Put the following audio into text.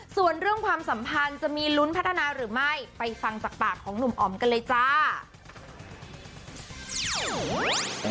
ส่วนเรื่องความสัมพันธ์จะมีลุ้นพัฒนาหรือไม่ไปฟังจากปากของหนุ่มอ๋อมกันเลยจ้า